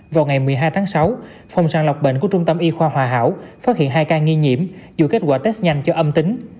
vào ngày một mươi hai tháng sáu phòng sàng lọc bệnh của trung tâm y khoa hòa hảo phát hiện hai ca nghi nhiễm dù kết quả test nhanh cho âm tính